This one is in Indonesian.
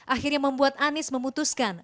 akhirnya membuat anies memutuskan